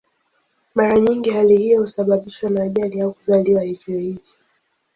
Mara nyingi hali hiyo husababishwa na ajali au kuzaliwa hivyo hivyo.